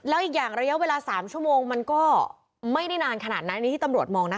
แล้วอีกอย่างระยะเวลา๓ชั่วโมงมันก็ไม่ได้นานขนาดนั้นอันนี้ที่ตำรวจมองนะ